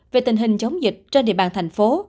về tình hình chống dịch trên địa bàn thành phố